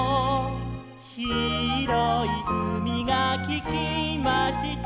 「ひろいうみがききました」